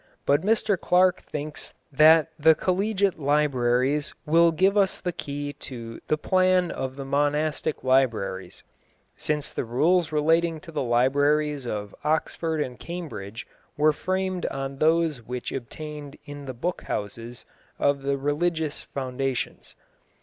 But Mr Clark thinks that the collegiate libraries will give us the key to the plan of the monastic libraries, since the rules relating to the libraries of Oxford and Cambridge were framed on those which obtained in the "book houses" of the religious foundations.